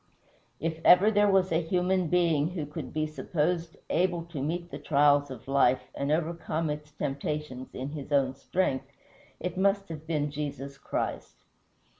If ever there was a human being who could be supposed able to meet the trials of life and overcome its temptations in his own strength, it must have been Jesus Christ.